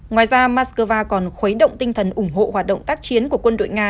ngoài ra moscow còn khuấy động tinh thần ủng hộ hoạt động tác chiến của quân đội nga